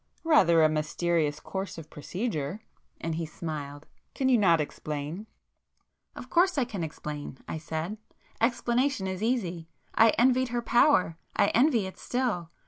"Rather a mysterious course of procedure!" and he smiled; "Can you not explain?" "Of course I can explain,"—I said—"Explanation is easy. I envied her power—I envy it still.